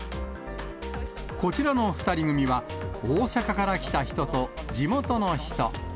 こちらの２人組は、大阪から来た人と、地元の人。